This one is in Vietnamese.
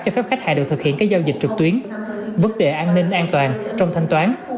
cho phép khách hàng được thực hiện các giao dịch trực tuyến vấn đề an ninh an toàn trong thanh toán